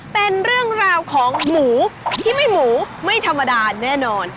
เป็นเรื่องราวของหมูที่ไม่หมูไม่ธรรมดาแน่นอน